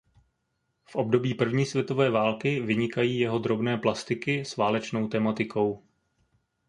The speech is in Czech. V období první světové války vynikají jeho drobné plastiky s válečnou tematikou.